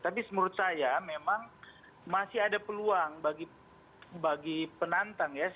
tapi menurut saya memang masih ada peluang bagi penantang ya